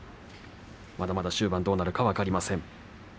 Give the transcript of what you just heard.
まだまだ終盤どうなるか分かりません。